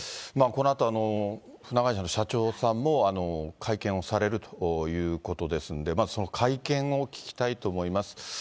このあと、船会社の社長さんも会見をされるということですんで、その会見を聞きたいと思います。